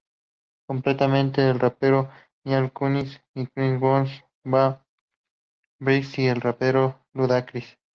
Completan el reparto Mila Kunis, Chris O'Donnell, Beau Bridges y el rapero Ludacris.